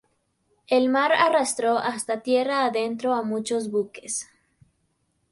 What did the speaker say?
El mar arrastró hasta tierra adentro a muchos buques.